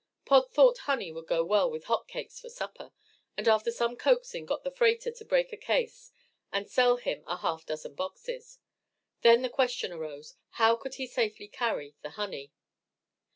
Pod thought honey would go well with hot cakes for supper, and after some coaxing got the freighter to break a case and sell him a half dozen boxes. Then the question arose, how could he safely carry the honey?